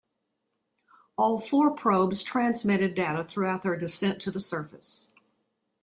All four probes transmitted data throughout their descent to the surface.